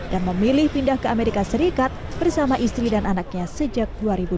dan memilih pindah ke amerika serikat bersama istri dan anaknya sejak dua ribu dua puluh